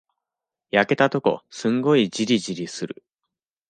焼けたとこ、すんごいじりじりする。